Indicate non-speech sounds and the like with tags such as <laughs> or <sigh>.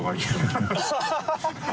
ハハハ <laughs>